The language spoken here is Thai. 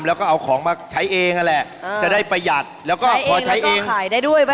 แล้วก็เอาของมาใช้เองนั่นแหละจะได้ประหยัดแล้วก็พอใช้เองขายได้ด้วยป่